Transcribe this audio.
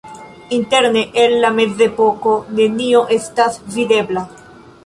Interne el la mezepoko nenio estas videbla.